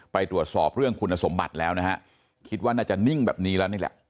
ไปตรวจสอบเรื่องคุณสมบัติแล้วนะฮะคิดว่าน่าจะนิ่งแบบนี้แล้วนี่แหละ